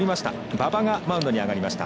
馬場がマウンドに上がりました。